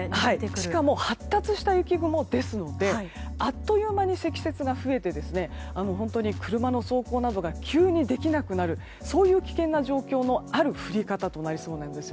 しかも発達した雪雲ですのであっという間に積雪が増えて本当に車の走行などが急にできなくなる危険な状況もある降り方となりそうなんです。